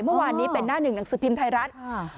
เมื่อวานนี้เป็นหน้าหนึ่งหนังสือพิมพ์ไทยรัฐ